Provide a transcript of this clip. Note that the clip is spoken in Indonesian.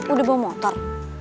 udah bawa motor